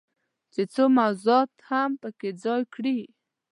چې څو موضوعات هم پکې ځای کړي.